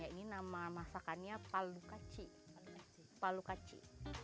ini nama masakannya palu kaci